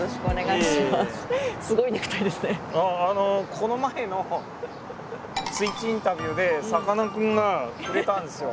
この前の「ＳＷＩＴＣＨインタビュー」でさかなクンがくれたんですよ。